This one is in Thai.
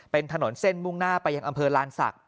เป็นถนนเส้นมุ่งหน้าไปยังอำเภอลานศักดิ